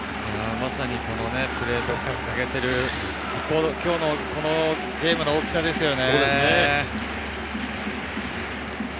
まさにプレートを掲げている、今日のこのゲームの大きさですよね。